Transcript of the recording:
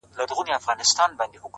خدای درکړي دي غښتلي وزرونه!.